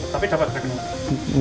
tapi dapat rekening